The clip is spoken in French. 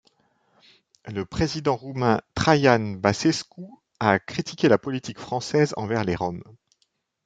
Le président roumain Traian Băsescu a critiqué la politique française envers les Roms.